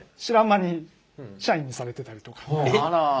あら。